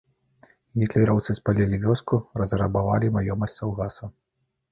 Гітлераўцы спалілі вёску, разрабавалі маёмасць саўгаса.